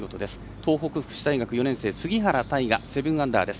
東北福祉大学４年生杉原大河、７アンダーです。